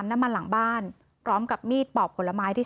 คุณผู้สายรุ่งมโสผีอายุ๔๒ปี